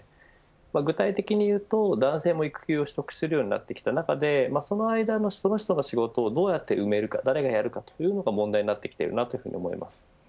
具体的に言うと男性も育休を取得するようになってきた中でその間のその人の仕事をどうやって埋めるか誰がやるかというのが問題になってきていると思います。